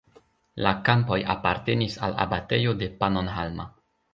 La kampoj apartenis al abatejo de Pannonhalma.